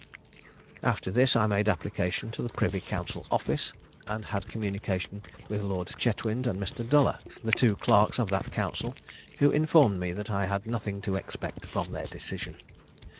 "After this I made application to the privy council office, and had communications with Lord Chetwynd and Mr. Duller, the two clerks of that council, who informed me that I had nothing to expect from their decision.